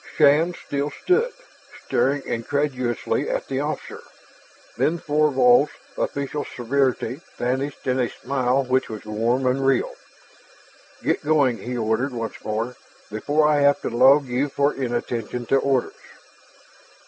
Shann still stood, staring incredulously at the officer. Then Thorvald's official severity vanished in a smile which was warm and real. "Get going," he ordered once more, "before I have to log you for inattention to orders."